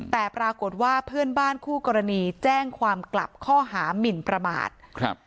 แต่ปรากฏว่าเพื่อนบ้านคู่กรณีแจ้งความกลับข้อหามินประมาทครับ